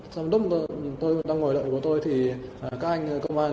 xong lúc tôi đang ngồi đợi của tôi thì các anh công an